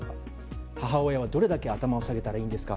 母親はどれだけ頭を下げたらいいんですか？